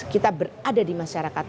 kita berada di masyarakat